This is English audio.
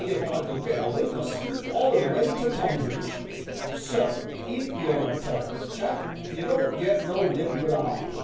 if I could get a wink o' sleep all the way to Tonbridge; so if you 'm a talkin' chap, you don't get no lift wi' I."